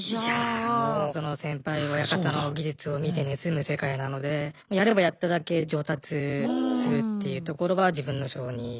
いやもうその先輩親方の技術を見て盗む世界なのでやればやっただけ上達するっていうところは自分の性に。